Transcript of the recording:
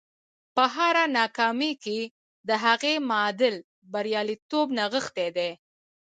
په هره ناکامۍ کې د هغې معادل بریالیتوب نغښتی دی